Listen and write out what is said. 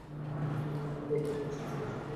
ফল কাঁচা অবস্থায় সবুজ এবং পাকলে হলুদ।